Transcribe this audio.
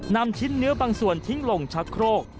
นำชิ้นเนื้อบางส่วนทิ้งลงชักโครก